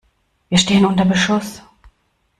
Wir stehen unter Beschuss!